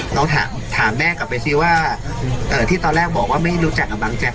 เราถามแม่กลับไปสิว่าที่ตอนแรกบอกว่าไม่รู้จักกับบางแจ๊